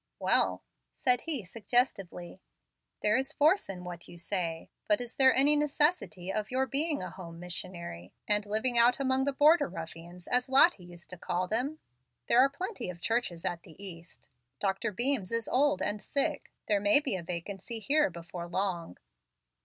"Well," said he, suggestively, "there is force in what you say. But is there any necessity of your being a home missionary, and living out among the 'border ruffians,' as Lottie used to call them? There are plenty of churches at the East. Dr. Beams is old and sick: there may be a vacancy here before long."